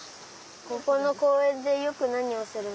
ここのこうえんでよくなにをするんですか？